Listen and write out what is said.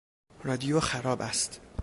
رادیو خراب است.